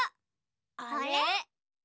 あれ？